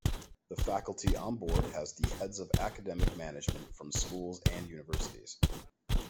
The faculty on board has the Heads of academic management from schools and universities.